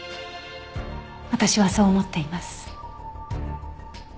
私はそう思っています。